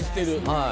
はい。